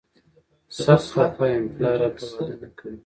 سخت خفه یم، پلار راته واده نه کوي.